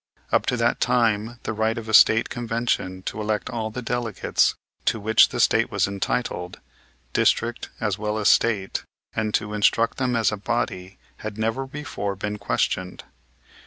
Up to that time the right of a State Convention to elect all the delegates to which the State was entitled, district as well as State, and to instruct them as a body had never before been questioned.